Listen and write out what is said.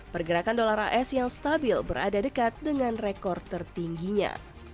pergerakan dolar as yang stabil berada dekat dengan rekor tertingginya